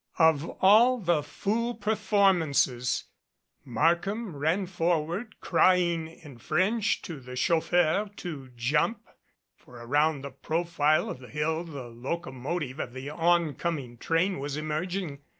Of all the fool performances ! Markham ran forward 103 MADCAP crying in French to the chauffeur to jump, for around the profile of the hill the locomotive of the oncoming train was emerging.